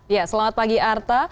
ya selamat pagi arta